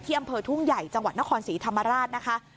อำเภอทุ่งใหญ่จังหวัดนครศรีธรรมราชนะคะ